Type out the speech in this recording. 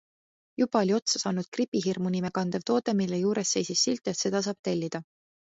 Juba oli otsa saanud Gripihirmu nime kandev toode, mille juures seisis silt, et seda saab tellida.